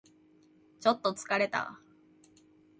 ちょっと疲れた